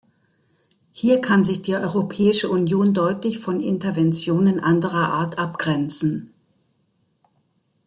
Hier kann sich die Europäische Union deutlich von Interventionen anderer Art abgrenzen.